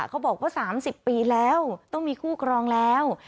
เขาบอกว่า๓๐ปีแล้วต้องมีคู่ครองแล้ว